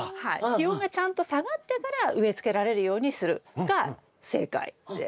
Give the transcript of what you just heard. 「気温がちゃんと下がってから植え付けられるようにする」が正解です。